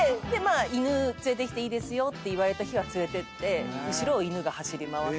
犬連れてきていいですよって言われた日は連れてって後ろを犬が走り回る。